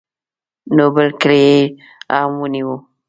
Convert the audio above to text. نو بل کلی یې هم ونیو.